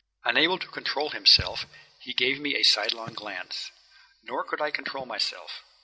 Unable to control himself, he gave me a sidelong glance. Nor could I control myself.